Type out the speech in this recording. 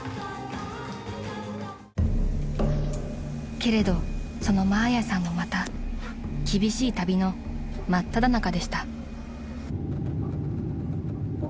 ［けれどそのマーヤさんもまた厳しい旅の真っただ中でした］